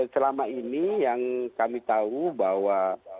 selama ini yang kami tahu bahwa